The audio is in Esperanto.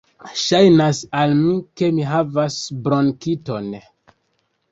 Ŝajnas al mi ke mi havas bronkiton.